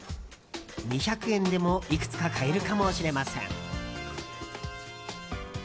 ２００円でもいくつか買えるかもしれません。